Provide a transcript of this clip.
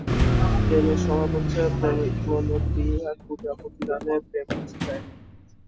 প্রেমের স্বভাব হচ্ছে প্রণতি আর পূজা, প্রতিদানে প্রেম কিছু চায় না।